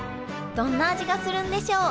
どんな味がするんでしょう？